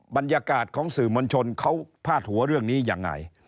บรรยากาศของสื่อมวลชนเขาพาดหัวเรื่องนี้ยังไง